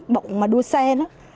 bộ mà đua xe đó